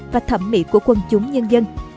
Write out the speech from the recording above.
và thẩm mỹ của quân chúng nhân dân